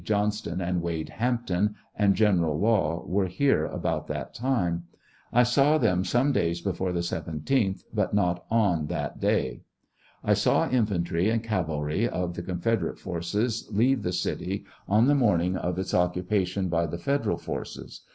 Johnston, and Wade Hampton, and General Law were here about that time. I saw them some days before the 17th, but not on that day. I saw infantry and cavalry of the Confedorate forces leave the city on the morning of its occupation by the Federal forces.